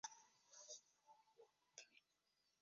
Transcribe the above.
যথা দেবগণের অধিপতিত্ব বা ইন্দ্রত্ব একটি উচ্চপদের নাম।